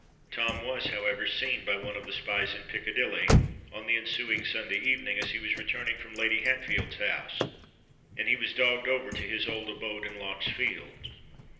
Tom was, however, seen by one of the spies, in Piccadilly, on the ensuing (Sunday) evening, as he was returning from Lady Hatfield's house; and he was dogged over to his old abode in Lock's Fields.